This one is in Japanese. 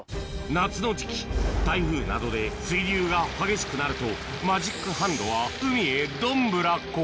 夏の時季台風などで水流が激しくなるとマジックハンドは海へどんぶらこ